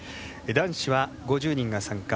男子は５０人が参加。